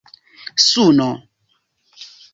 suno